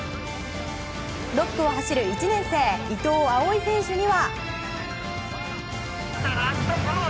６区を走る１年生、伊藤蒼唯選手には。